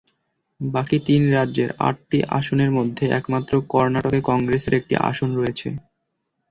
বাকি তিন রাজ্যের আটটি আসনের মধ্যে একমাত্র কর্ণাটকে কংগ্রেসের একটি আসন রয়েছে।